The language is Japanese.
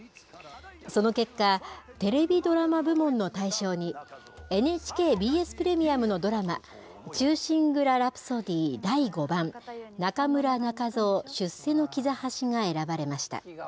その結果、テレビ・ドラマ部門の対象に、ＮＨＫＢＳプレミアムのドラマ、忠臣蔵狂詩曲Ｎｏ．５中村仲蔵出世階段が選ばれました。